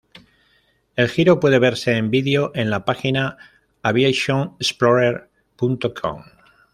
El giro puede verse en vídeo en la página AviationExplorer.com.